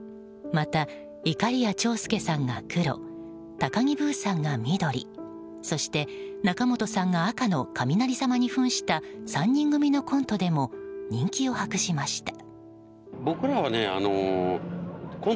また、いかりや長介さんが黒高木ブーさんが緑そして、仲本さんが赤の雷様に扮した３人組のコントでも人気を博しました。